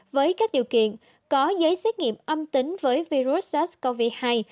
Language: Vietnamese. với các điều kiện có giấy xét nghiệm âm tính với virus sars